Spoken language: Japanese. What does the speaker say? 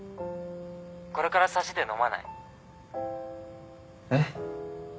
これから差しで飲まない？えっ。